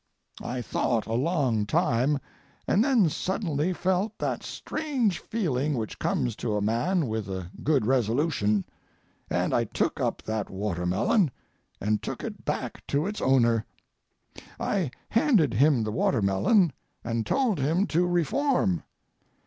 I thought a long time, and then suddenly felt that strange feeling which comes to a man with a good resolution, and I took up that watermelon and took it back to its owner. I handed him the watermelon and told him to reform.